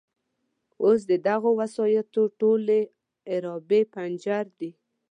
اوس د دغو وسایطو ټولې عرابې پنجر دي.